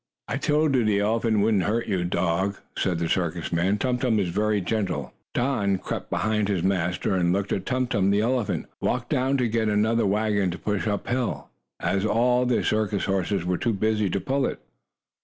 "I told you the elephant wouldn't hurt your dog," said the circus man. "Tum Tum is very gentle." Don crept behind his master, and looked at Tum Tum. The elephant walked down to get another wagon to push up hill, as all the circus horses were too busy to pull it.